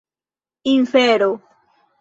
infero